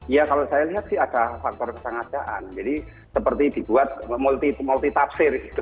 ya kalau saya lihat sih ada faktor kesengajaan jadi seperti dibuat multitafsir gitu